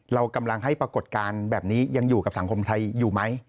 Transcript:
เรากำลังให้ปรากฏการณ์แบบนี้ยังอยู่กับสังคมไทยอยู่ไหม